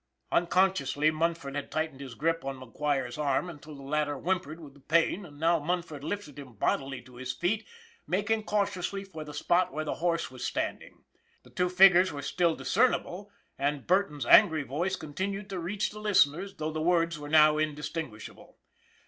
Unconsciously Munford had tightened his grip on McGuire's arm until the latter whimpered with the pain, and now Munford lifted him bodily to his feet making cautiously for the spot where the horse was standing. The two figures were still discernible, and Burton's angry voice continued to reach the listeners, though the words were now indistinguishable.